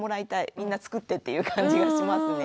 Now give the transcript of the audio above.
みんな作ってっていう感じがしますね。